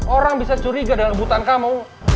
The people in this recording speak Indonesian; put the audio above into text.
orang bisa curiga dengan rebutan kamu